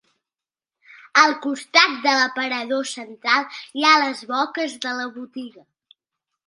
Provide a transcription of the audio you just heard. Al costat de l'aparador central hi ha les boques de la botiga.